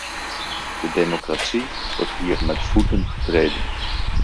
De democratie wordt hier met voeten getreden.